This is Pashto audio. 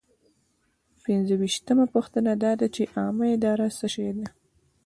پنځویشتمه پوښتنه دا ده چې عامه اداره څه شی ده.